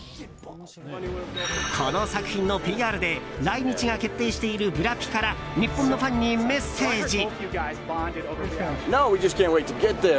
この作品のＰＲで来日が決定しているブラピから日本のファンにメッセージ。